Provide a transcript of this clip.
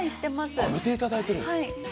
見ていただいている。